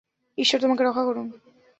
ঈশ্বর তোমাকে রক্ষা করুন।